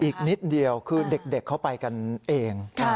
อีกนิดเดียวคือเด็กเขาไปกันเอง